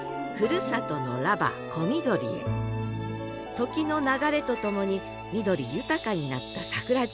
時の流れとともに緑豊かになった桜島。